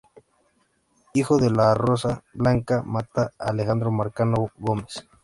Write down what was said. Hijo de Rosa Blanca Mata y Alejandro Marcano Gómez.